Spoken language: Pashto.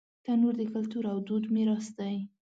تنور د کلتور او دود میراث دی